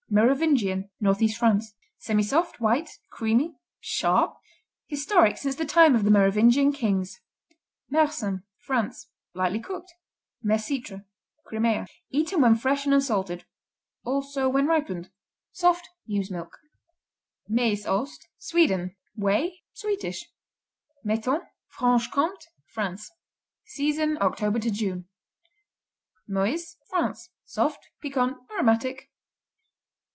Merovingian Northeast France Semisoft; white; creamy; sharp; historic since the time of the Merovingian kings. Mersem France Lightly cooked. Mesitra Crimea Eaten when fresh and unsalted; also when ripened. Soft, ewe's milk. Mesost Sweden Whey; sweetish. Metton Franche Comté, France Season October to June. Meuse France Soft; piquant; aromatic.